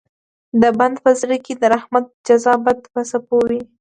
د بنده په زړه کې د رحمت جذبات په څپو وي.